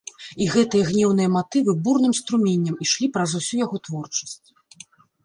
І гэтыя гнеўныя матывы бурным струменем ішлі праз усю яго творчасць.